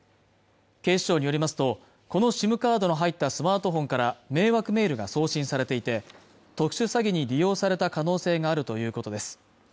警視庁によりますとこのＳＩＭカードの入ったスマートフォンから迷惑メールが送信されていて特殊詐欺に利用された可能性があるということです